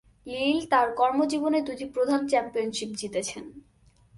লিল তার কর্মজীবনে দুটি প্রধান চ্যাম্পিয়নশিপ জিতেছেন।